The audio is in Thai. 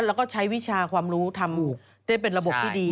แล้วก็ใช้วิชาความรู้ทำได้เป็นระบบที่ดี